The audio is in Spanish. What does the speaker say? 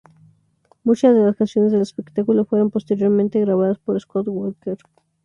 Muchas de las canciones del espectáculo fueron posteriormente grabadas por Scott Walker.